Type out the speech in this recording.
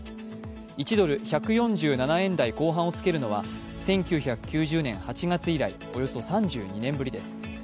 １ドル＝１４７円台後半をつけるのは１９９０年８月以来およそ３２年ぶりです。